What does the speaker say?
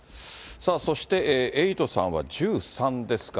さあ、そしてエイトさんは１３ですか。